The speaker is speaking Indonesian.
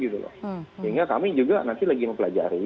sehingga kami juga nanti lagi mempelajari